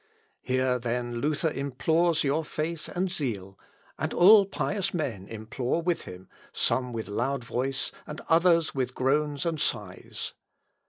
Here, then, Luther implores your faith and zeal, and all pious men implore with him, some with loud voice and others with groans and sighs.